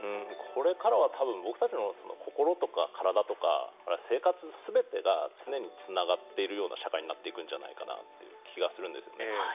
これからは多分僕たちの心とか体とか生活すべてが常につながっているような社会になっていくんじゃないかなという気がするんですよね。